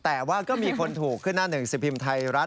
แต่ว่าก็มีคนถูกขึ้นหน้าหนึ่งสิบพิมพ์ไทยรัฐ